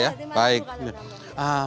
ya lima kalau nambah